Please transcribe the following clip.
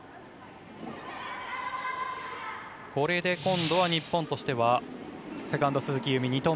これで今度は日本としてはセカンド、鈴木夕湖